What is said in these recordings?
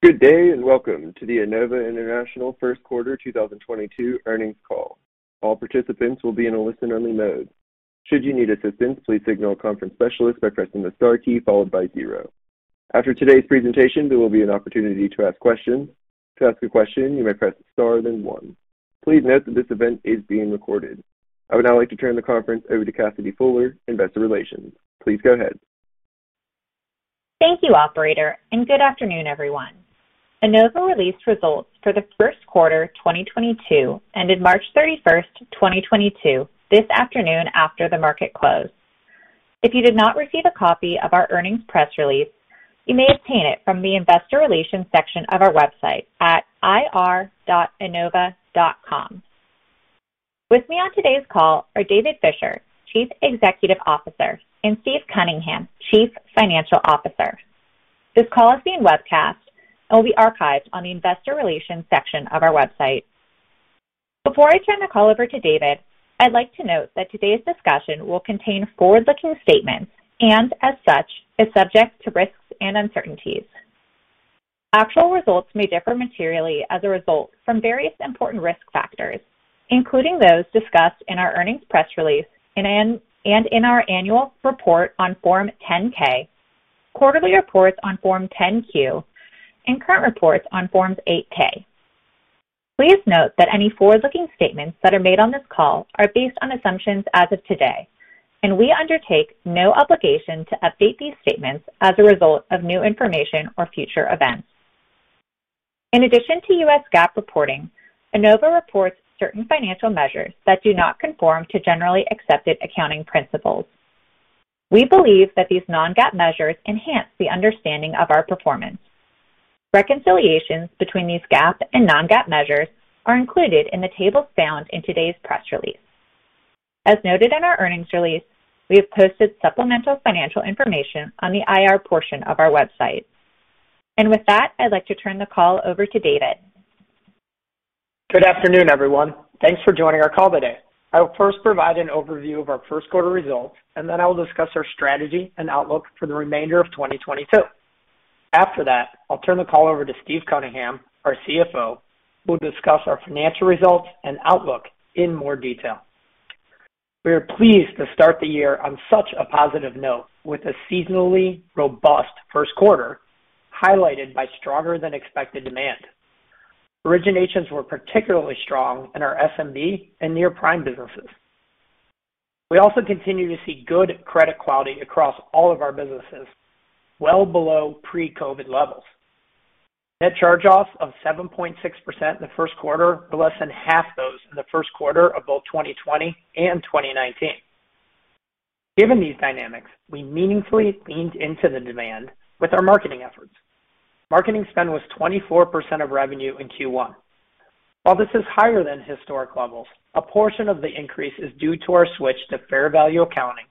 Good day, and welcome to the Enova International first quarter 2022 earnings call. All participants will be in a listen-only mode. Should you need assistance, please signal a conference specialist by pressing the star key followed by zero. After today's presentation, there will be an opportunity to ask questions. To ask a question, you may press star then one. Please note that this event is being recorded. I would now like to turn the conference over to Cassidy Fuller, Investor Relations. Please go ahead. Thank you, operator, and good afternoon, everyone. Enova released results for the first quarter 2022, ended March 31, 2022 this afternoon after the market closed. If you did not receive a copy of our earnings press release, you may obtain it from the investor relations section of our website at ir.enova.com. With me on today's call are David Fisher, Chief Executive Officer, and Steve Cunningham, Chief Financial Officer. This call is being webcast and will be archived on the investor relations section of our website. Before I turn the call over to David, I'd like to note that today's discussion will contain forward-looking statements and as such is subject to risks and uncertainties. Actual results may differ materially as a result from various important risk factors, including those discussed in our earnings press release and in our annual report on Form 10-K, quarterly reports on Form 10-Q, and current reports on Form 8-K. Please note that any forward-looking statements that are made on this call are based on assumptions as of today, and we undertake no obligation to update these statements as a result of new information or future events. In addition to U.S. GAAP reporting, Enova reports certain financial measures that do not conform to generally accepted accounting principles. We believe that these non-GAAP measures enhance the understanding of our performance. Reconciliations between these GAAP and non-GAAP measures are included in the tables found in today's press release. As noted in our earnings release, we have posted supplemental financial information on the IR portion of our website. With that, I'd like to turn the call over to David. Good afternoon, everyone. Thanks for joining our call today. I will first provide an overview of our first quarter results, and then I will discuss our strategy and outlook for the remainder of 2022. After that, I'll turn the call over to Steve Cunningham, our CFO, who will discuss our financial results and outlook in more detail. We are pleased to start the year on such a positive note with a seasonally robust first quarter highlighted by stronger than expected demand. Originations were particularly strong in our SMB and near-prime businesses. We also continue to see good credit quality across all of our businesses well below pre-COVID levels. Net charge-offs of 7.6% in the first quarter were less than half those in the first quarter of both 2020 and 2019. Given these dynamics, we meaningfully leaned into the demand with our marketing efforts. Marketing spend was 24% of revenue in Q1. While this is higher than historic levels, a portion of the increase is due to our switch to fair value accounting,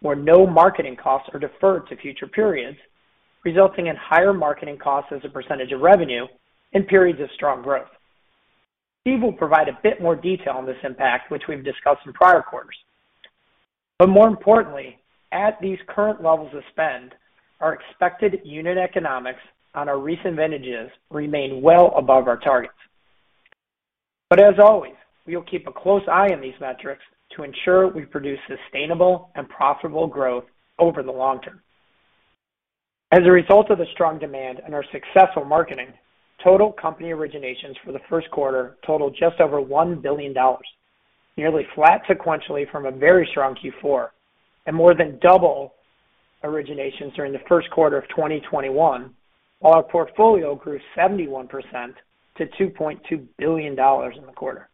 where no marketing costs are deferred to future periods, resulting in higher marketing costs as a percentage of revenue in periods of strong growth. Steve will provide a bit more detail on this impact, which we've discussed in prior quarters. More importantly, at these current levels of spend, our expected unit economics on our recent vintages remain well above our targets. As always, we will keep a close eye on these metrics to ensure we produce sustainable and profitable growth over the long term. As a result of the strong demand and our successful marketing, total company originations for the first quarter totaled just over $1 billion, nearly flat sequentially from a very strong Q4, and more than double originations during the first quarter of 2021, while our portfolio grew 71% to $2.2 billion in the quarter.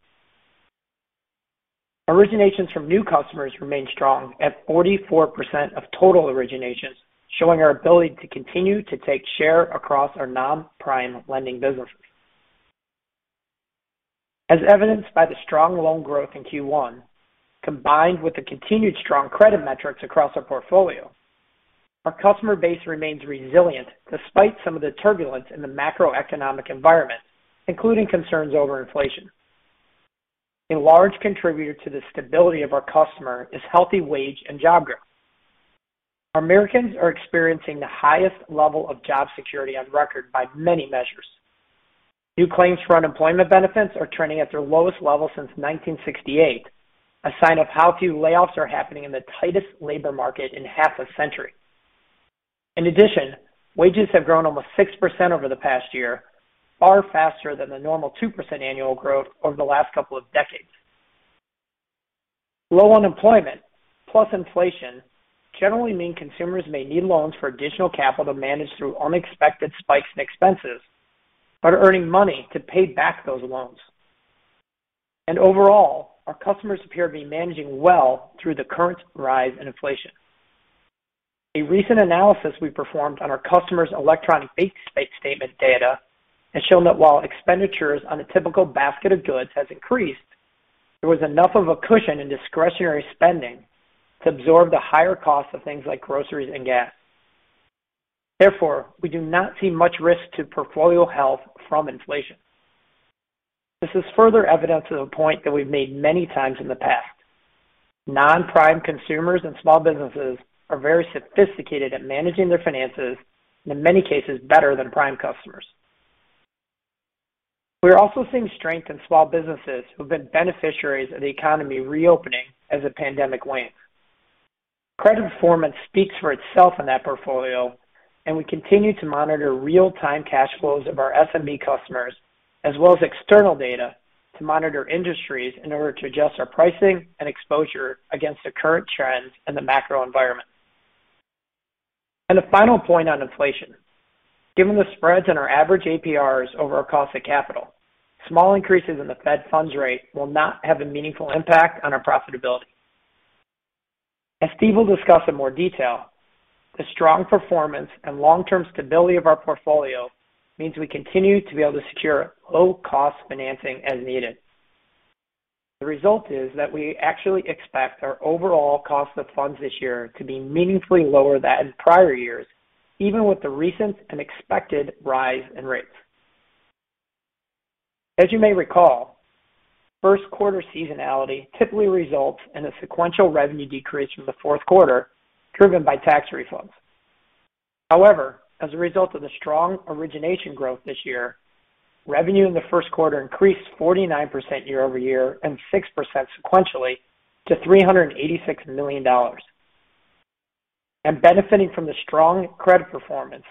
Originations from new customers remained strong at 44% of total originations, showing our ability to continue to take share across our non-prime lending businesses. As evidenced by the strong loan growth in Q1, combined with the continued strong credit metrics across our portfolio, our customer base remains resilient despite some of the turbulence in the macroeconomic environment, including concerns over inflation. A large contributor to the stability of our customer is healthy wage and job growth. Americans are experiencing the highest level of job security on record by many measures. New claims for unemployment benefits are trending at their lowest level since 1968, a sign of how few layoffs are happening in the tightest labor market in half a century. In addition, wages have grown almost 6% over the past year, far faster than the normal 2% annual growth over the last couple of decades. Low unemployment plus inflation generally mean consumers may need loans for additional capital to manage through unexpected spikes in expenses, but are earning money to pay back those loans. Overall, our customers appear to be managing well through the current rise in inflation. A recent analysis we performed on our customers' electronic bank statement data has shown that while expenditures on a typical basket of goods has increased, there was enough of a cushion in discretionary spending to absorb the higher cost of things like groceries and gas. Therefore, we do not see much risk to portfolio health from inflation. This is further evidence of a point that we've made many times in the past. Non-prime consumers and small businesses are very sophisticated at managing their finances, and in many cases better than prime customers. We're also seeing strength in small businesses who have been beneficiaries of the economy reopening as the pandemic wanes. Credit performance speaks for itself in that portfolio, and we continue to monitor real-time cash flows of our SMB customers as well as external data to monitor industries in order to adjust our pricing and exposure against the current trends and the macro environment. A final point on inflation. Given the spreads in our average APRs over our cost of capital, small increases in the Fed funds rate will not have a meaningful impact on our profitability. As Steve will discuss in more detail, the strong performance and long-term stability of our portfolio means we continue to be able to secure low-cost financing as needed. The result is that we actually expect our overall cost of funds this year to be meaningfully lower than in prior years, even with the recent and expected rise in rates. As you may recall, first quarter seasonality typically results in a sequential revenue decrease from the fourth quarter, driven by tax refunds. However, as a result of the strong origination growth this year, revenue in the first quarter increased 49% year-over-year and 6% sequentially to $386 million. Benefiting from the strong credit performance,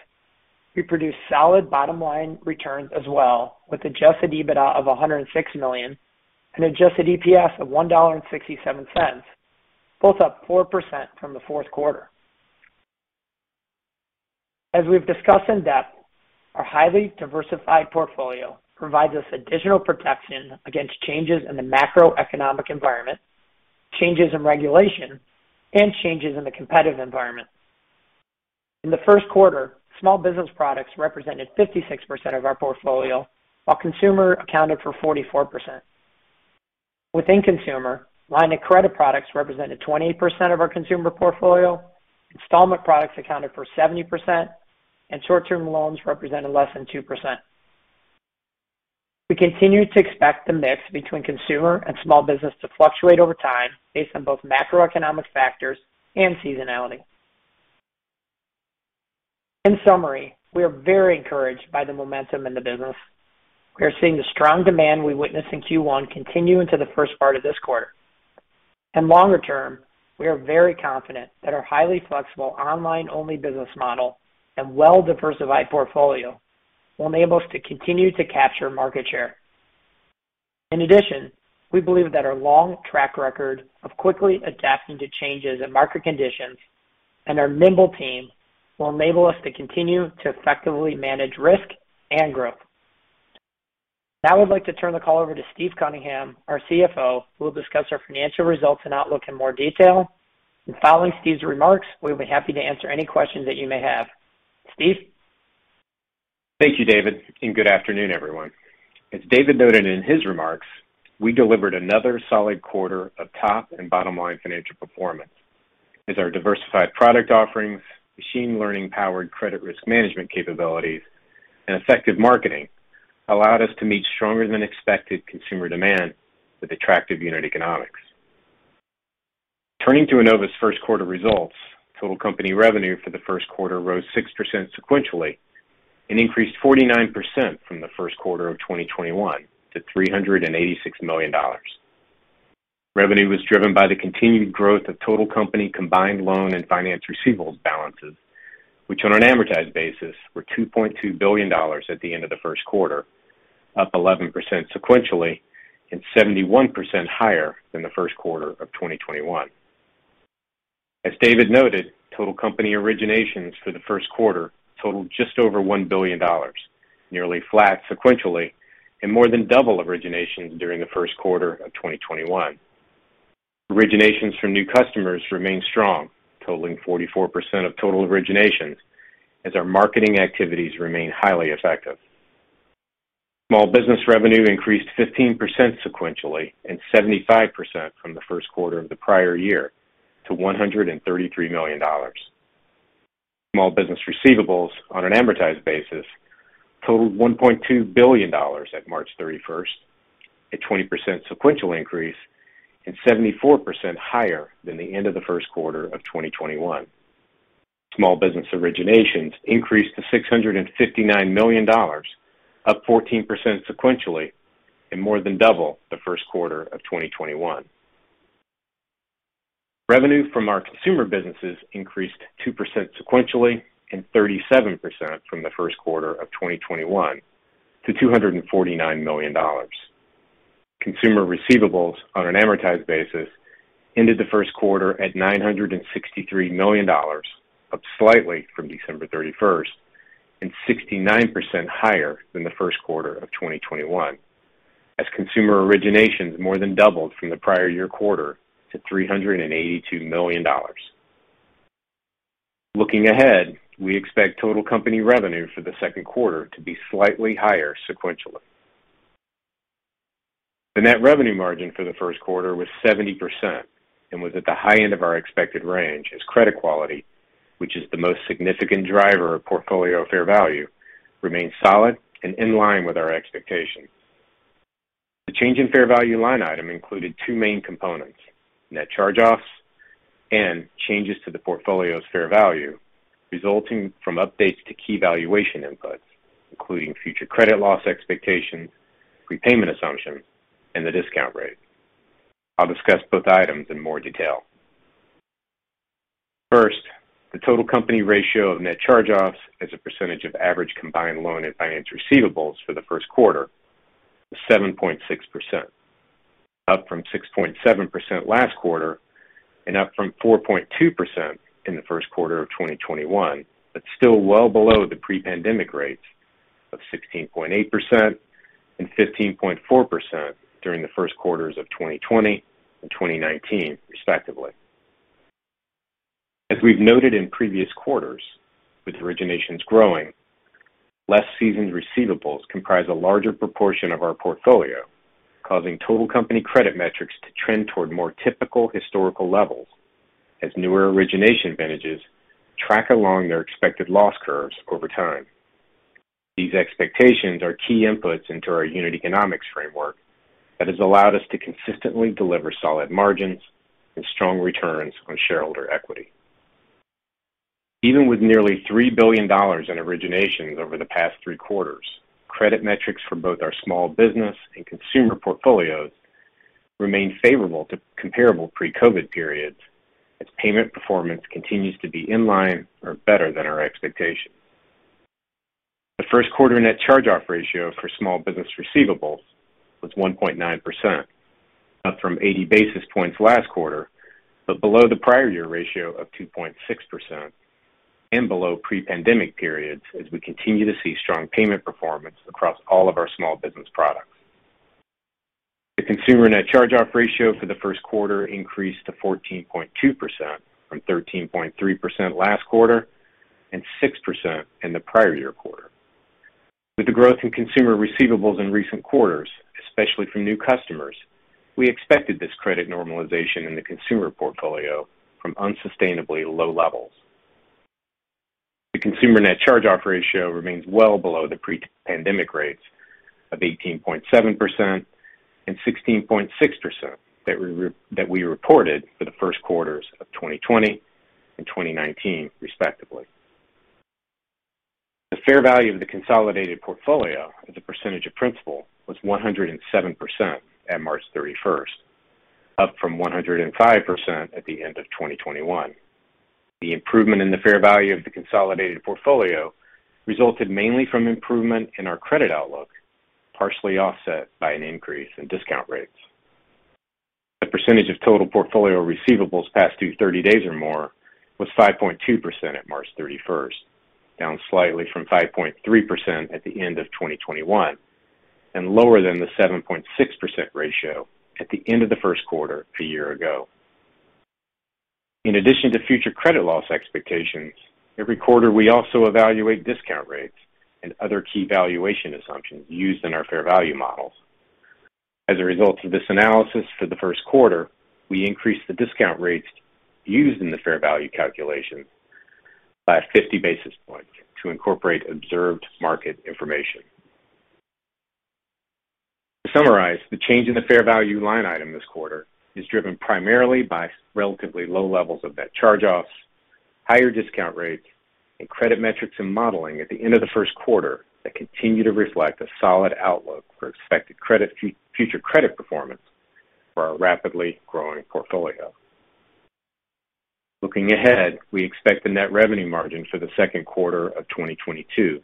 we produced solid bottom line returns as well with adjusted EBITDA of $106 million and adjusted EPS of $1.67, both up 4% from the fourth quarter. As we've discussed in depth, our highly diversified portfolio provides us additional protection against changes in the macroeconomic environment, changes in regulation, and changes in the competitive environment. In the first quarter, small business products represented 56% of our portfolio, while consumer accounted for 44%. Within consumer, line of credit products represented 28% of our consumer portfolio, installment products accounted for 70%, and short-term loans represented less than 2%. We continue to expect the mix between consumer and small business to fluctuate over time based on both macroeconomic factors and seasonality. In summary, we are very encouraged by the momentum in the business. We are seeing the strong demand we witnessed in Q1 continue into the first part of this quarter. Longer term, we are very confident that our highly flexible online-only business model and well-diversified portfolio will enable us to continue to capture market share. In addition, we believe that our long track record of quickly adapting to changes in market conditions and our nimble team will enable us to continue to effectively manage risk and growth. Now I'd like to turn the call over to Steve Cunningham, our CFO, who will discuss our financial results and outlook in more detail. Following Steve's remarks, we'll be happy to answer any questions that you may have. Steve. Thank you, David, and good afternoon, everyone. As David noted in his remarks, we delivered another solid quarter of top and bottom line financial performance as our diversified product offerings, machine learning-powered credit risk management capabilities, and effective marketing allowed us to meet stronger than expected consumer demand with attractive unit economics. Turning to Enova's first quarter results, total company revenue for the first quarter rose 6% sequentially and increased 49% from the first quarter of 2021 to $386 million. Revenue was driven by the continued growth of total company combined loan and finance receivables balances, which on an amortized basis were $2.2 billion at the end of the first quarter, up 11% sequentially and 71% higher than the first quarter of 2021. As David noted, total company originations for the first quarter totaled just over $1 billion, nearly flat sequentially and more than double originations during the first quarter of 2021. Originations from new customers remain strong, totaling 44% of total originations, as our marketing activities remain highly effective. Small business revenue increased 15% sequentially and 75% from the first quarter of the prior year to $133 million. Small business receivables on an amortized basis totaled $1.2 billion at March 31st, a 20% sequential increase and 74% higher than the end of the first quarter of 2021. Small business originations increased to $659 million, up 14% sequentially and more than double the first quarter of 2021. Revenue from our consumer businesses increased 2% sequentially and 37% from the first quarter of 2021 to $249 million. Consumer receivables on an amortized basis ended the first quarter at $963 million, up slightly from December 31st and 69% higher than the first quarter of 2021, as consumer originations more than doubled from the prior year quarter to $382 million. Looking ahead, we expect total company revenue for the second quarter to be slightly higher sequentially. The net revenue margin for the first quarter was 70% and was at the high end of our expected range as credit quality, which is the most significant driver of portfolio fair value, remains solid and in line with our expectations. The change in fair value line item included two main components, net charge-offs and changes to the portfolio's fair value resulting from updates to key valuation inputs, including future credit loss expectations, prepayment assumption, and the discount rate. I'll discuss both items in more detail. First, the total company ratio of net charge-offs as a percentage of average combined loan and finance receivables for the first quarter was 7.6%, up from 6.7% last quarter and up from 4.2% in the first quarter of 2021. Still well below the pre-pandemic rates of 16.8% and 15.4% during the first quarters of 2020 and 2019 respectively. As we've noted in previous quarters, with originations growing, less seasoned receivables comprise a larger proportion of our portfolio, causing total company credit metrics to trend toward more typical historical levels as newer origination vintages track along their expected loss curves over time. These expectations are key inputs into our unit economics framework that has allowed us to consistently deliver solid margins and strong returns on shareholder equity. Even with nearly $3 billion in originations over the past three quarters, credit metrics for both our small business and consumer portfolios remain favorable to comparable pre-COVID periods as payment performance continues to be in line or better than our expectations. The first quarter net charge-off ratio for small business receivables was 1.9%, up from 80 basis points last quarter, but below the prior year ratio of 2.6% and below pre-pandemic periods as we continue to see strong payment performance across all of our small business products. The consumer net charge-off ratio for the first quarter increased to 14.2% from 13.3% last quarter and 6% in the prior year quarter. With the growth in consumer receivables in recent quarters, especially from new customers, we expected this credit normalization in the consumer portfolio from unsustainably low levels. The consumer net charge-off ratio remains well below the pre-pandemic rates of 18.7% and 16.6% that we reported for the first quarters of 2020 and 2019 respectively. The fair value of the consolidated portfolio as a percentage of principal was 107% at March 31st, up from 105% at the end of 2021. The improvement in the fair value of the consolidated portfolio resulted mainly from improvement in our credit outlook, partially offset by an increase in discount rates. The percentage of total portfolio receivables past due 30 days or more was 5.2% at March 31st, down slightly from 5.3% at the end of 2021, and lower than the 7.6% ratio at the end of the first quarter a year ago. In addition to future credit loss expectations, every quarter we also evaluate discount rates and other key valuation assumptions used in our fair value models. As a result of this analysis, for the first quarter, we increased the discount rates used in the fair value calculations by 50 basis points to incorporate observed market information. To summarize, the change in the fair value line item this quarter is driven primarily by relatively low levels of net charge-offs, higher discount rates, and credit metrics and modeling at the end of the first quarter that continue to reflect a solid outlook for expected credit future credit performance for our rapidly growing portfolio. Looking ahead, we expect the net revenue margin for the second quarter of 2022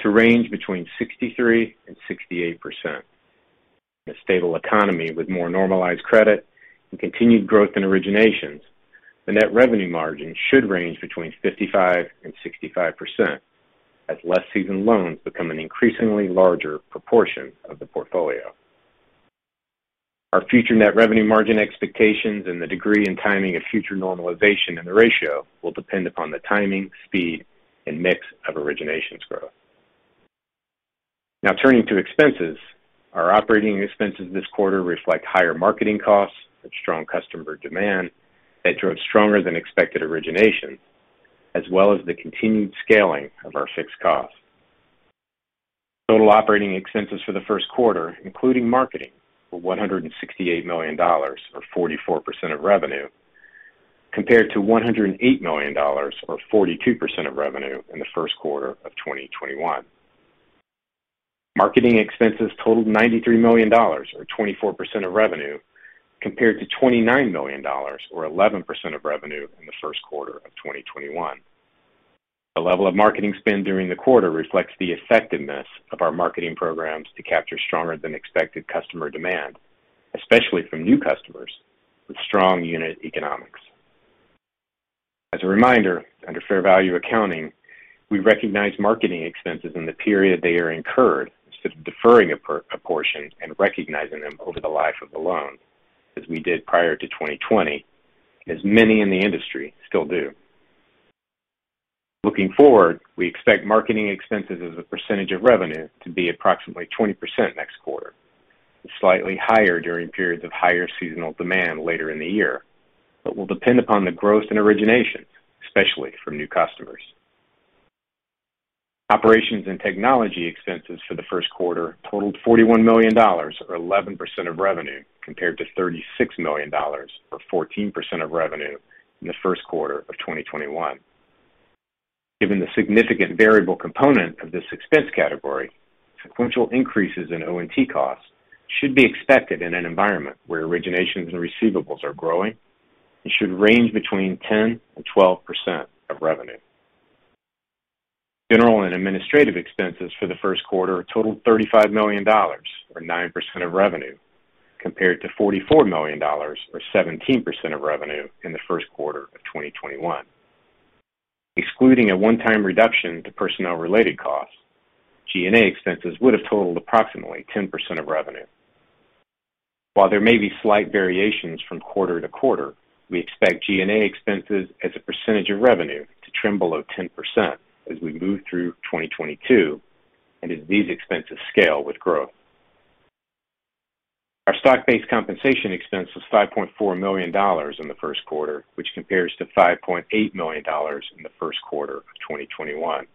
to range between 63% and 68%. In a stable economy with more normalized credit and continued growth in originations, the net revenue margin should range between 55% and 65% as less seasoned loans become an increasingly larger proportion of the portfolio. Our future net revenue margin expectations and the degree and timing of future normalization in the ratio will depend upon the timing, speed, and mix of originations growth. Now turning to expenses. Our operating expenses this quarter reflect higher marketing costs with strong customer demand that drove stronger than expected originations, as well as the continued scaling of our fixed costs. Total operating expenses for the first quarter, including marketing, were $168 million, or 44% of revenue, compared to $108 million or 42% of revenue in the first quarter of 2021. Marketing expenses totaled $93 million or 24% of revenue, compared to $29 million or 11% of revenue in the first quarter of 2021. The level of marketing spend during the quarter reflects the effectiveness of our marketing programs to capture stronger than expected customer demand, especially from new customers with strong unit economics. As a reminder, under fair value accounting, we recognize marketing expenses in the period they are incurred instead of deferring a portion and recognizing them over the life of the loan, as we did prior to 2020 and as many in the industry still do. Looking forward, we expect marketing expenses as a percentage of revenue to be approximately 20% next quarter, slightly higher during periods of higher seasonal demand later in the year, but will depend upon the growth in origination, especially from new customers. Operations and technology expenses for the first quarter totaled $41 million or 11% of revenue compared to $36 million, or 14% of revenue from the first quarter of 2021. Given the significant variable component of this expense category, sequential increases in O&T costs should be expected in an environment where originations and receivables are growing and should range between 10% and 12% of revenue. General and administrative expenses for the first quarter totaled $35 million, or 9% of revenue, compared to $44 million or 17% of revenue in the first quarter of 2021. Excluding a one-time reduction to personnel-related costs, G&A expenses would have totaled approximately 10% of revenue. While there may be slight variations from quarter-to-quarter, we expect G&A expenses as a percentage of revenue to trim below 10% as we move through 2022 and as these expenses scale with growth. Our stock-based compensation expense was $5.4 million in the first quarter, which compares to $5.8 million in the first quarter of 2021.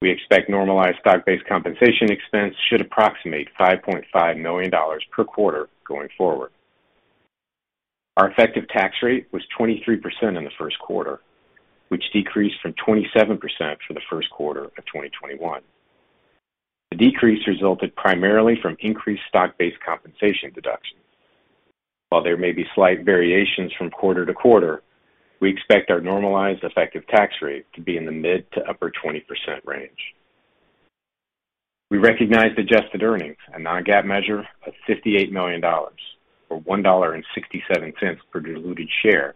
We expect normalized stock-based compensation expense should approximate $5.5 million per quarter going forward. Our effective tax rate was 23% in the first quarter, which decreased from 27% for the first quarter of 2021. The decrease resulted primarily from increased stock-based compensation deductions. While there may be slight variations from quarter to quarter, we expect our normalized effective tax rate to be in the mid- to upper-20% range. We recognized adjusted earnings, a non-GAAP measure of $58 million, or $1.67 per diluted share,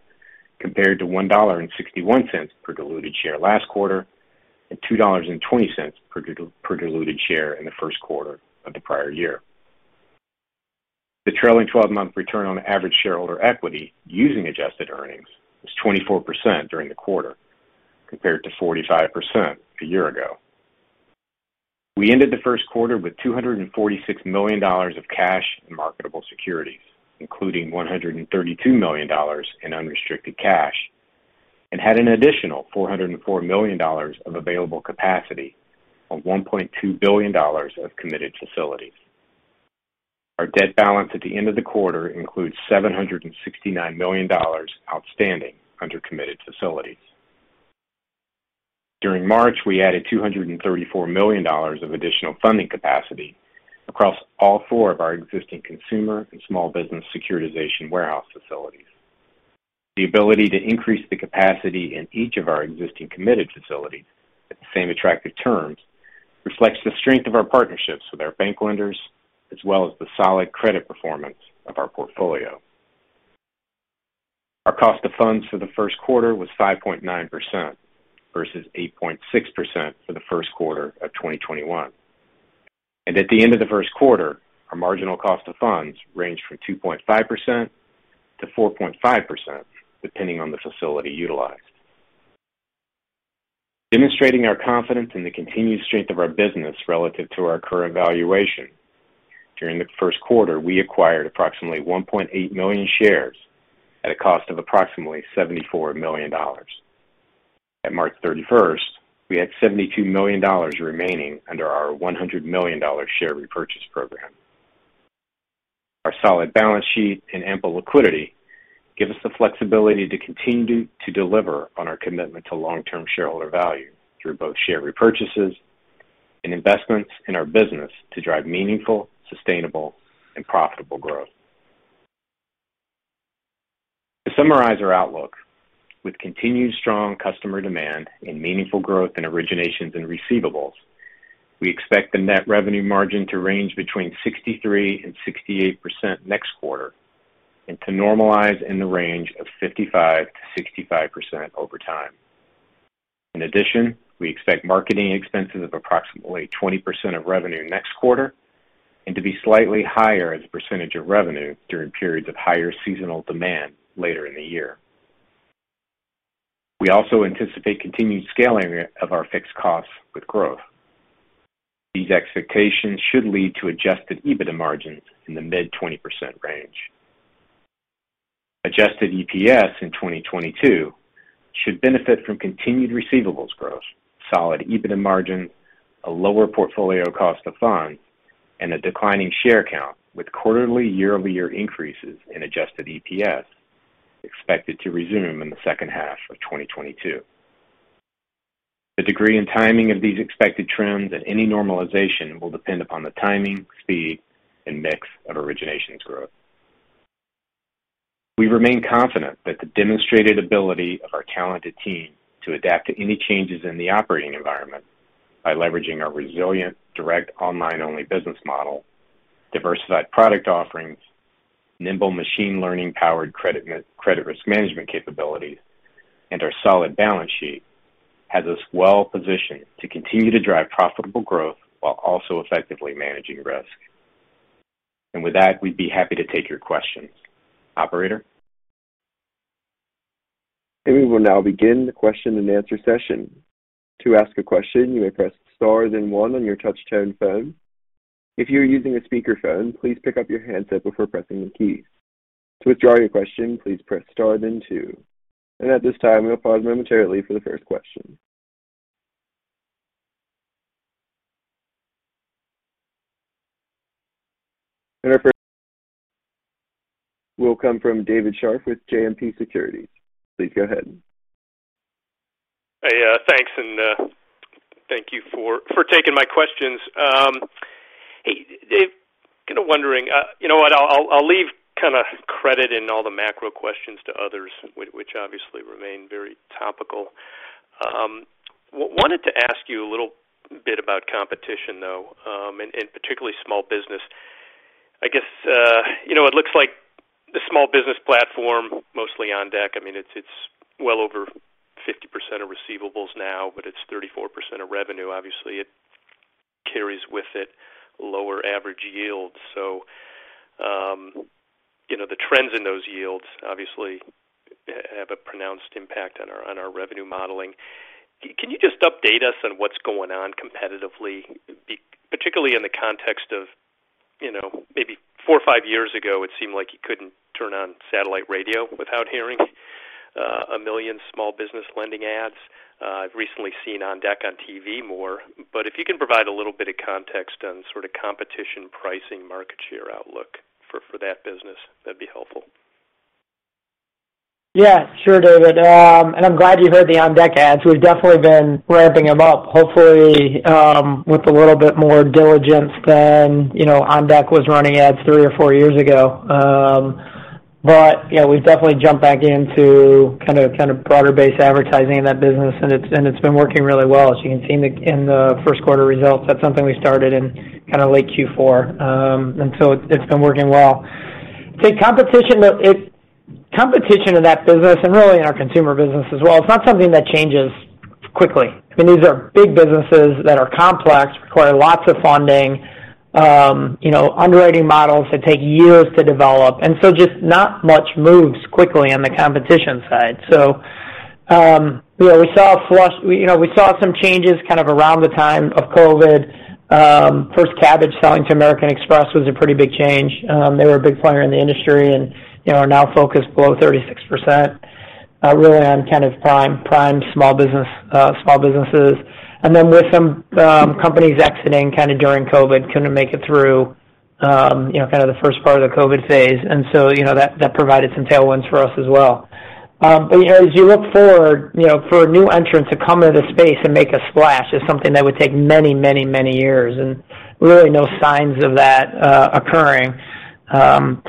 compared to $1.61 per diluted share last quarter and $2.20 per diluted share in the first quarter of the prior year. The trailing-twelve-month return on average shareholder equity using adjusted earnings was 24% during the quarter, compared to 45% a year ago. We ended the first quarter with $246 million of cash and marketable securities, including $132 million in unrestricted cash, and had an additional $404 million of available capacity on $1.2 billion of committed facilities. Our debt balance at the end of the quarter includes $769 million outstanding under committed facilities. During March, we added $234 million of additional funding capacity across all four of our existing consumer and small business securitization warehouse facilities. The ability to increase the capacity in each of our existing committed facilities at the same attractive terms reflects the strength of our partnerships with our bank lenders, as well as the solid credit performance of our portfolio. Our cost of funds for the first quarter was 5.9% versus 8.6% for the first quarter of 2021. At the end of the first quarter, our marginal cost of funds ranged from 2.5% to 4.5%, depending on the facility utilized. Demonstrating our confidence in the continued strength of our business relative to our current valuation, during the first quarter, we acquired approximately 1.8 million shares at a cost of approximately $74 million. At March 31st, we had $72 million remaining under our $100 million share repurchase program. Our solid balance sheet and ample liquidity give us the flexibility to continue to deliver on our commitment to long-term shareholder value through both share repurchases and investments in our business to drive meaningful, sustainable and profitable growth. To summarize our outlook, with continued strong customer demand and meaningful growth in originations and receivables, we expect the net revenue margin to range between 63% and 68% next quarter and to normalize in the range of 55%-65% over time. In addition, we expect marketing expenses of approximately 20% of revenue next quarter and to be slightly higher as a percentage of revenue during periods of higher seasonal demand later in the year. We also anticipate continued scaling of our fixed costs with growth. These expectations should lead to adjusted EBITDA margins in the mid-20% range. Adjusted EPS in 2022 should benefit from continued receivables growth, solid EBITDA margins, a lower portfolio cost of funds, and a declining share count with quarterly year-over-year increases in adjusted EPS expected to resume in the second half of 2022. The degree and timing of these expected trends and any normalization will depend upon the timing, speed and mix of originations growth. We remain confident that the demonstrated ability of our talented team to adapt to any changes in the operating environment by leveraging our resilient, direct online only business model, diversified product offerings, nimble machine learning-powered credit risk management capabilities, and our solid balance sheet has us well positioned to continue to drive profitable growth while also effectively managing risk. With that, we'd be happy to take your questions. Operator? We will now begin the question-and-answer session. To ask a question, you may press star then one on your touch-tone phone. If you're using a speakerphone, please pick up your handset before pressing the key. To withdraw your question, please press star then two. At this time, we'll pause momentarily for the first question. Our first will come from David Scharf with JMP Securities. Please go ahead. Hey, thanks, and thank you for taking my questions. Hey, Dave, kind of wondering, you know what, I'll leave kinda credit and all the macro questions to others, which obviously remain very topical. Wanted to ask you a little bit about competition, though, in particular, small business. I guess, you know, it looks like the small business platform, mostly OnDeck, I mean, it's well over 50% of receivables now, but it's 34% of revenue. Obviously, it carries with it lower average yields. You know, the trends in those yields obviously have a pronounced impact on our revenue modeling. Can you just update us on what's going on competitively, particularly in the context of, you know, maybe four or five years ago, it seemed like you couldn't turn on satellite radio without hearing a million small business lending ads. I've recently seen OnDeck on TV more. But if you can provide a little bit of context on sort of competition, pricing, market share outlook for that business, that'd be helpful. Yeah, sure, David. I'm glad you heard the OnDeck ads. We've definitely been ramping them up, hopefully, with a little bit more diligence than, you know, OnDeck was running ads three or four years ago. We've definitely jumped back into kind of broader-based advertising in that business, and it's been working really well. As you can see in the first quarter results, that's something we started in kind of late Q4. It's been working well. I'd say competition in that business and really in our consumer business as well, it's not something that changes quickly. I mean, these are big businesses that are complex, require lots of funding, you know, underwriting models that take years to develop. Just not much moves quickly on the competition side. You know, we saw some changes kind of around the time of COVID. First, Kabbage selling to American Express was a pretty big change. They were a big player in the industry and, you know, are now focused below 36%, really on kind of prime small business, small businesses. With some companies exiting kind of during COVID, couldn't make it through, you know, kind of the first part of the COVID phase. You know, that provided some tailwinds for us as well. You know, as you look forward, you know, for a new entrant to come into the space and make a splash is something that would take many, many, many years, and really no signs of that occurring. You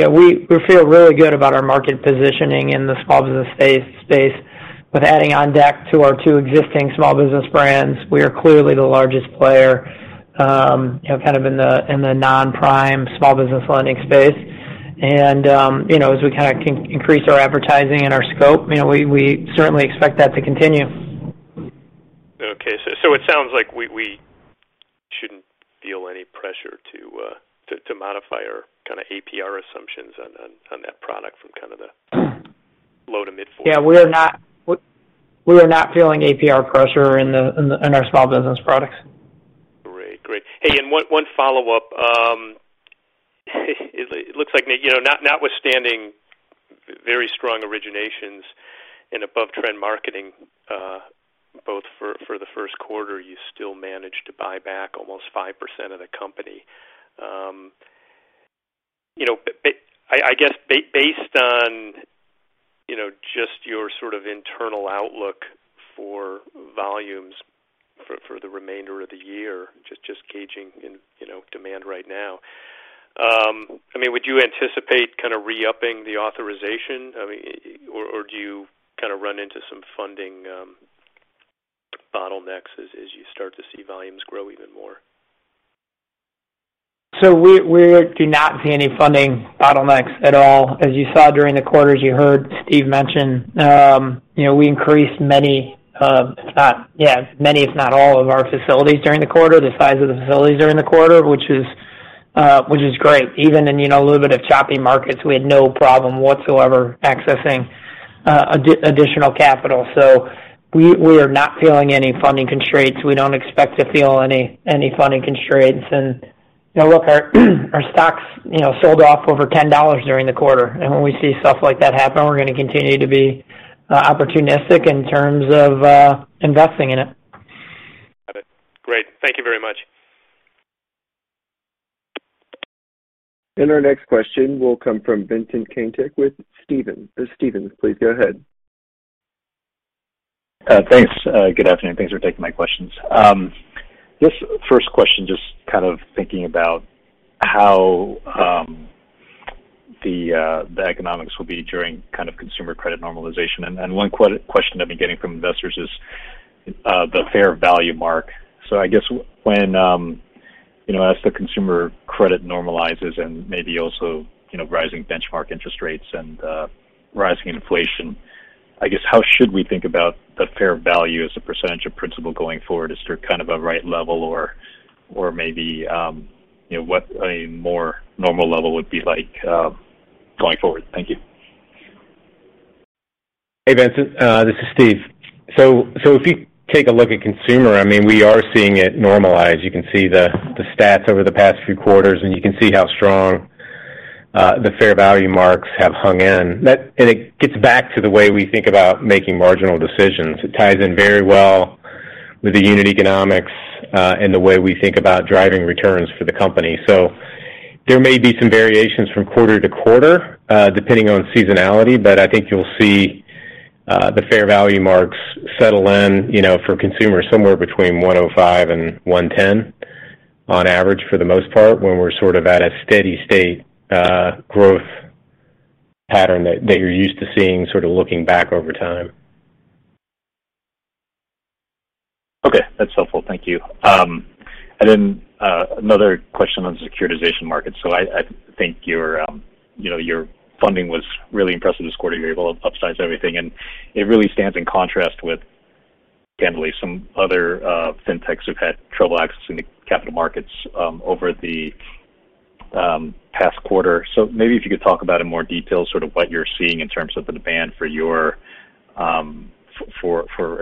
know, we feel really good about our market positioning in the small business space. With adding OnDeck to our two existing small business brands, we are clearly the largest player, you know, kind of in the non-prime small business lending space. You know, as we kinda increase our advertising and our scope, you know, we certainly expect that to continue. Okay. It sounds like we shouldn't feel any pressure to modify our kind of APR assumptions on that product from kind of the low- to mid-40s%. Yeah. We are not feeling APR pressure in our small business products. Great. Hey, one follow-up. It looks like, you know, notwithstanding very strong originations and above-trend marketing both for the first quarter, you still managed to buy back almost 5% of the company. You know, I guess based on just your sort of internal outlook for volumes for the remainder of the year, just gauging demand right now, I mean, would you anticipate kind of re-upping the authorization? I mean, or do you kind of run into some funding bottlenecks as you start to see volumes grow even more? We do not see any funding bottlenecks at all. As you saw during the quarter, as you heard Steve mention, you know, we increased many, if not all of our facilities during the quarter, the size of the facilities during the quarter, which is great. Even in, you know, a little bit of choppy markets, we had no problem whatsoever accessing additional capital. We are not feeling any funding constraints. We don't expect to feel any funding constraints. You know, look, our stock, you know, sold off over $10 during the quarter. When we see stuff like that happen, we're gonna continue to be opportunistic in terms of investing in it. Got it. Great. Thank you very much. Our next question will come from Vincent Caintic with Stephens. Stephens, please go ahead. Thanks. Good afternoon. Thanks for taking my questions. This first question, just kind of thinking about how the economics will be during kind of consumer credit normalization. One question I've been getting from investors is the fair value mark. I guess when, you know, as the consumer credit normalizes and maybe also, you know, rising benchmark interest rates and rising inflation. I guess how should we think about the fair value as a percentage of principal going forward? Is there kind of a right level or maybe, you know, what a more normal level would be like going forward? Thank you. Hey, Vincent, this is Steve. If you take a look at consumer, I mean, we are seeing it normalize. You can see the stats over the past few quarters, and you can see how strong the fair value marks have hung in. It gets back to the way we think about making marginal decisions. It ties in very well with the unit economics and the way we think about driving returns for the company. There may be some variations from quarter-to-quarter depending on seasonality, but I think you'll see the fair value marks settle in, you know, for consumer somewhere between 105 and 110 on average for the most part when we're sort of at a steady-state growth pattern that you're used to seeing, sort of looking back over time. Okay. That's helpful. Thank you. Another question on securitization markets. I think your you know your funding was really impressive this quarter. You're able to upsize everything, and it really stands in contrast with candidly some other fintechs who've had trouble accessing the capital markets over the past quarter. Maybe if you could talk about in more detail sort of what you're seeing in terms of the demand from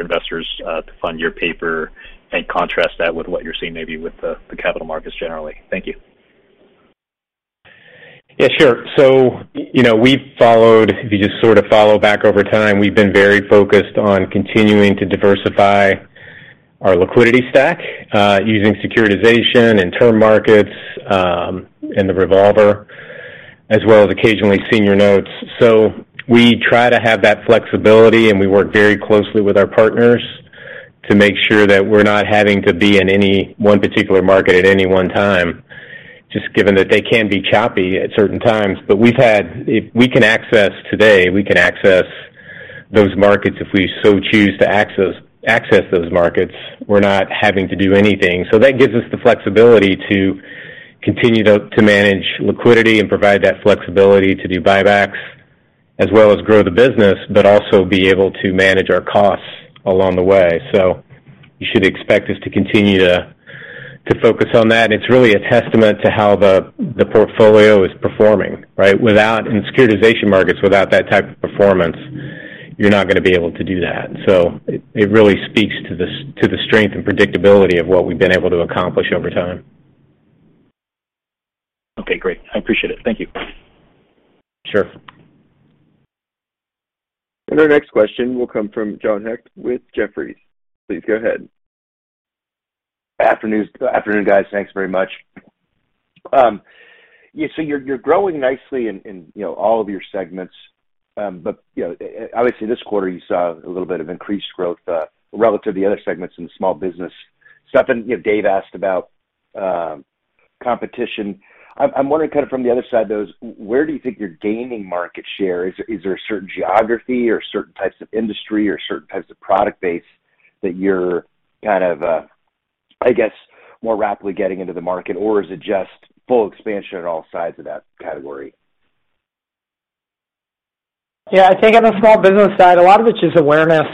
investors to fund your paper and contrast that with what you're seeing maybe with the capital markets generally. Thank you. Yeah, sure. You know, if you just sort of follow back over time, we've been very focused on continuing to diversify our liquidity stack, using securitization and term markets, and the revolver as well as occasionally senior notes. We try to have that flexibility, and we work very closely with our partners to make sure that we're not having to be in any one particular market at any one time, just given that they can be choppy at certain times. If we can access today, we can access those markets if we so choose to access those markets. We're not having to do anything. That gives us the flexibility to continue to manage liquidity and provide that flexibility to do buybacks as well as grow the business, but also be able to manage our costs along the way. You should expect us to continue to focus on that. It's really a testament to how the portfolio is performing, right? Without, in securitization markets, without that type of performance, you're not gonna be able to do that. It really speaks to the strength and predictability of what we've been able to accomplish over time. Okay, great. I appreciate it. Thank you. Sure. Our next question will come from John Hecht with Jefferies. Please go ahead. Afternoon, guys. Thanks very much. Yeah, so you're growing nicely in you know all of your segments. You know, obviously this quarter you saw a little bit of increased growth relative to the other segments in small business. Something you know David asked about competition. I'm wondering kind of from the other side though, is where do you think you're gaining market share? Is there a certain geography or certain types of industry or certain types of product base that you're kind of I guess more rapidly getting into the market? Or is it just full expansion at all sides of that category? Yeah. I think on the small business side, a lot of it's just awareness.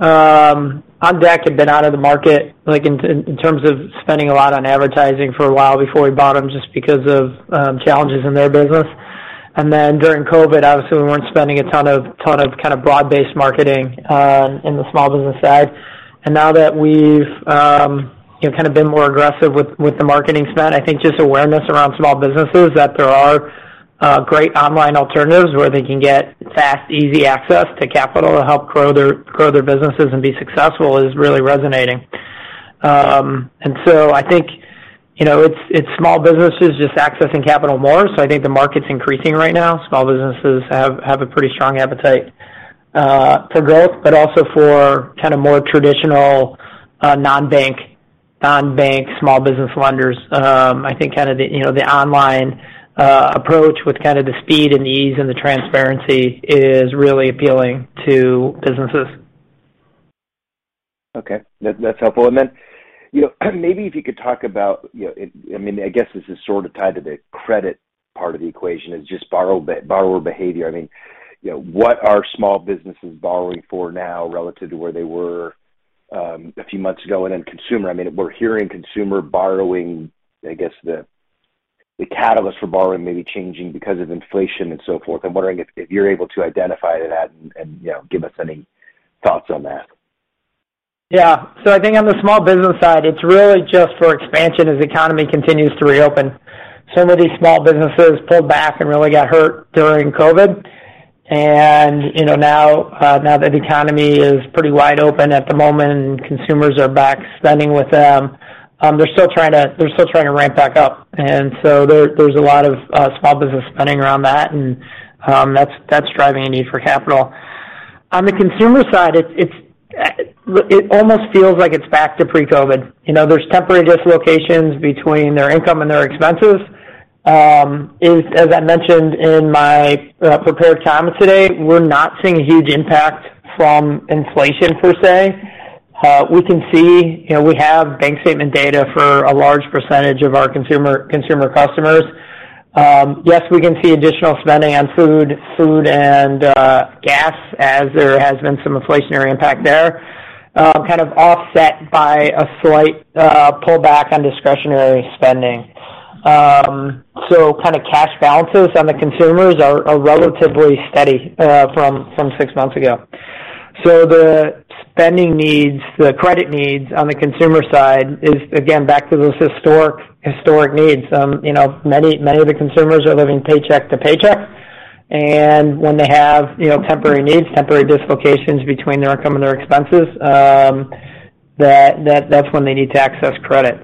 OnDeck had been out of the market, like in terms of spending a lot on advertising for a while before we bought them, just because of challenges in their business. During COVID, obviously we weren't spending a ton of kind of broad-based marketing in the small business side. Now that we've you know kind of been more aggressive with the marketing spend, I think just awareness around small businesses that there are great online alternatives where they can get fast, easy access to capital to help grow their businesses and be successful is really resonating. I think you know it's small businesses just accessing capital more. I think the market's increasing right now. Small businesses have a pretty strong appetite for growth but also for kind of more traditional non-bank small business lenders. I think kind of the, you know, the online approach with kind of the speed and the ease and the transparency is really appealing to businesses. Okay. That's helpful. You know, maybe if you could talk about, you know, I mean, I guess this is sort of tied to the credit part of the equation, just borrower behavior. I mean, you know, what are small businesses borrowing for now relative to where they were, a few months ago? Consumer, I mean, we're hearing consumer borrowing, I guess the catalyst for borrowing may be changing because of inflation and so forth. I'm wondering if you're able to identify that and, you know, give us any thoughts on that. Yeah. I think on the small business side, it's really just for expansion as the economy continues to reopen. Some of these small businesses pulled back and really got hurt during COVID. You know, now that the economy is pretty wide open at the moment and consumers are back spending with them, they're still trying to ramp back up. There's a lot of small business spending around that and that's driving a need for capital. On the consumer side, it almost feels like it's back to pre-COVID. You know, there's temporary dislocations between their income and their expenses. As I mentioned in my prepared comments today, we're not seeing a huge impact from inflation per se. We can see, you know, we have bank statement data for a large percentage of our consumer customers. Yes, we can see additional spending on food and gas as there has been some inflationary impact there, kind of offset by a slight pullback on discretionary spending. Kind of cash balances on the consumers are relatively steady from six months ago. The spending needs, the credit needs on the consumer side is again back to those historic needs. You know, many of the consumers are living paycheck to paycheck. When they have, you know, temporary needs, temporary dislocations between their income and their expenses, that's when they need to access credit.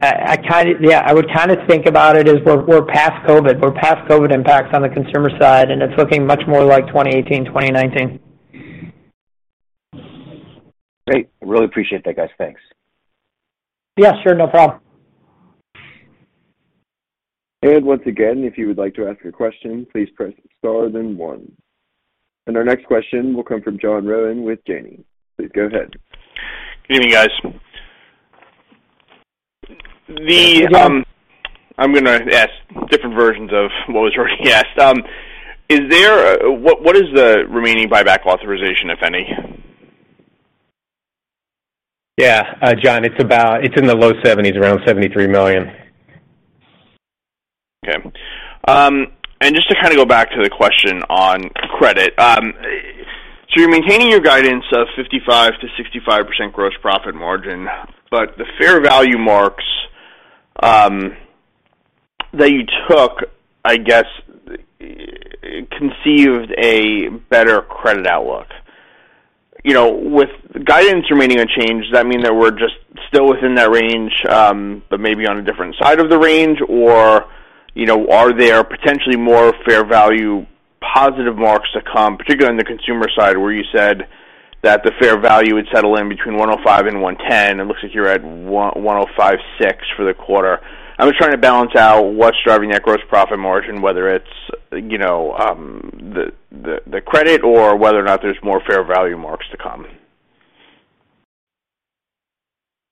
I would kind of think about it as we're past COVID. We're past COVID impacts on the consumer side, and it's looking much more like 2018, 2019. Great. Really appreciate that, guys. Thanks. Yeah, sure. No problem. Once again, if you would like to ask your question, please press star then one. Our next question will come from John Rowan with Janney. Please go ahead. Good evening, guys. I'm gonna ask different versions of what was already asked. What is the remaining buyback authorization, if any? Yeah. John, it's in the low 70s, around $73 million. Okay. Just to kind of go back to the question on credit. You're maintaining your guidance of 55%-65% gross profit margin, but the fair value marks that you took, I guess, concede a better credit outlook. You know, with guidance remaining unchanged, does that mean that we're just still within that range, but maybe on a different side of the range? Or, you know, are there potentially more fair value positive marks to come, particularly on the consumer side, where you said that the fair value would settle in between 105 and 110? It looks like you're at 105.6 for the quarter. I'm just trying to balance out what's driving that gross profit margin, whether it's, you know, the credit or whether or not there's more fair value marks to come.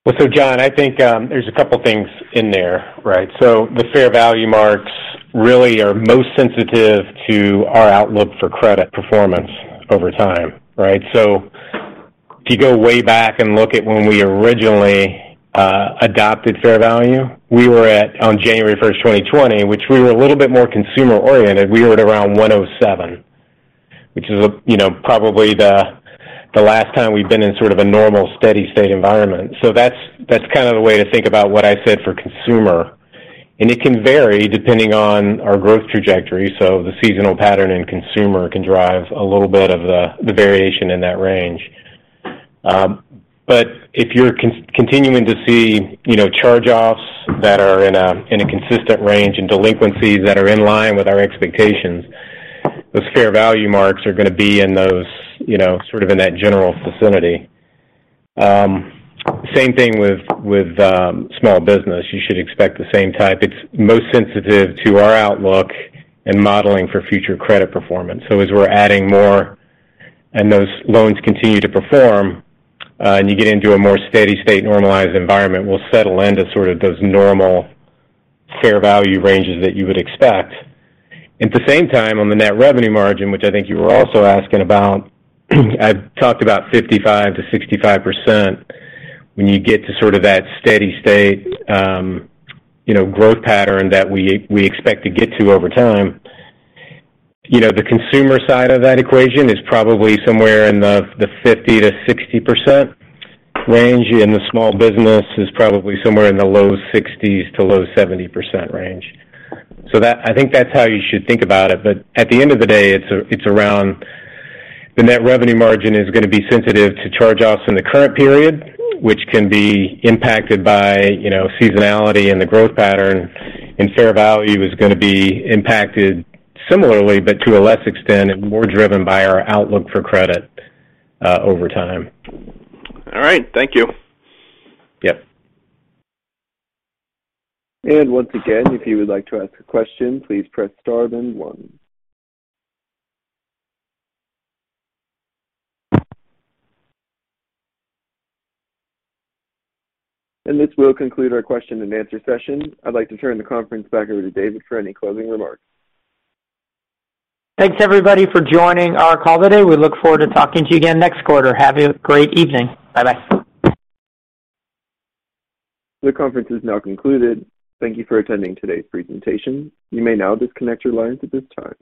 Well, John, I think, there's a couple things in there, right? The fair value marks really are most sensitive to our outlook for credit performance over time, right? If you go way back and look at when we originally adopted fair value, we were at-- on January 1st, 2020, which we were a little bit more consumer-oriented. We were at around 107, which is, you know, probably the last time we've been in sort of a normal steady-state environment. That's kind of the way to think about what I said for consumer. It can vary depending on our growth trajectory. The seasonal pattern in consumer can drive a little bit of the variation in that range. If you're continuing to see, you know, charge-offs that are in a consistent range and delinquencies that are in line with our expectations, those fair value marks are gonna be in those, you know, sort of in that general vicinity. Same thing with small business. You should expect the same type. It's most sensitive to our outlook and modeling for future credit performance. As we're adding more and those loans continue to perform, and you get into a more steady-state normalized environment, we'll settle into sort of those normal fair value ranges that you would expect. At the same time, on the net revenue margin, which I think you were also asking about, I've talked about 55%-65% when you get to sort of that steady-state, you know, growth pattern that we expect to get to over time. You know, the consumer side of that equation is probably somewhere in the 50%-60% range, and the small business is probably somewhere in the low 60s-low 70s % range. That I think that's how you should think about it. At the end of the day, it's around, the net revenue margin is gonna be sensitive to charge-offs in the current period, which can be impacted by, you know, seasonality and the growth pattern. Fair value is gonna be impacted similarly, but to a less extent and more driven by our outlook for credit, over time. All right. Thank you. Yep. Once again, if you would like to ask a question, please press star then one. This will conclude our question and answer session. I'd like to turn the conference back over to David for any closing remarks. Thanks, everybody, for joining our call today. We look forward to talking to you again next quarter. Have a great evening. Bye-bye. The conference is now concluded. Thank you for attending today's presentation. You may now disconnect your lines at this time.